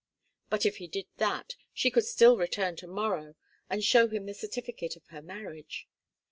But if he did that, she could still return to morrow, and show him the certificate of her marriage.